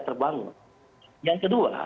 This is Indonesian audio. terbangun yang kedua